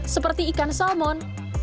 seperti ikan salmon